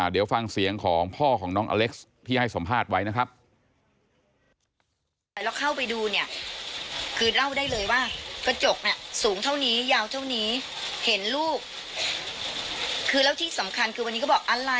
เดี๋ยวฟังเสียงของพ่อของน้องอเล็กซ์ที่ให้สัมภาษณ์ไว้นะครับ